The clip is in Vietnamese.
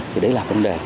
thì đấy là vấn đề